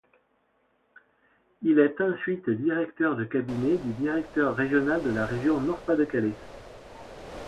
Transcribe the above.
Il est ensuite directeur de cabinet du directeur régional de la région Nord-Pas-de-Calais.